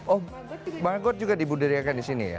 oh magot juga dibudiriakan di sini ya